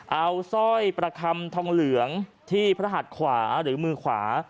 เอาสร้อยประคำทองเหลืองที่พระหัดขวาหรือมือขวา